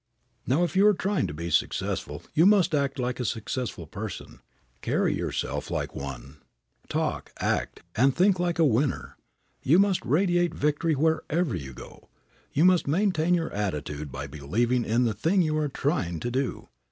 Now, if you are trying to be successful you must act like a successful person, carry yourself like one, talk, act and think like a winner. You must radiate victory wherever you go. You must maintain your attitude by believing in the thing you are trying to do.